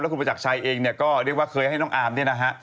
คุณประจักรชัยเองเนี่ยก็เรียกว่าเคยให้น้องอาร์มเนี่ยนะฮะ